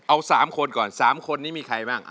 เอา๓คนก่อน๓คนนี้มีใครบ้าง